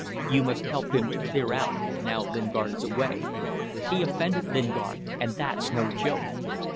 "You must help him to clear out, now Lingard is away. He offended Lingard, and that's no joke.